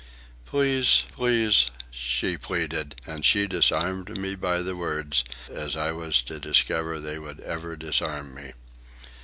"Please, please," she pleaded, and she disarmed me by the words, as I was to discover they would ever disarm me.